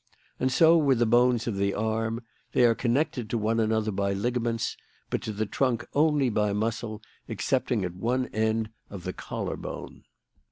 And so with the bones of the arm; they are connected to one another by ligaments; but to the trunk only by muscle, excepting at one end of the collar bone.